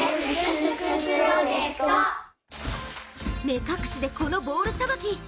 目隠しでこのボールさばき。